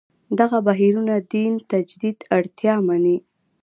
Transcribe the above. دغه بهیرونه دین تجدید اړتیا مني.